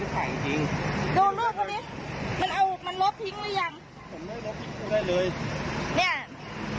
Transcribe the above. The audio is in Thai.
ผมไม่ได้ถ่ายจริงจริงดูรูปนี้มันเอามันลบทิ้งเลยยัง